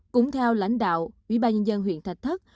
cũng theo lãnh đạo ubnd huyện thạch thất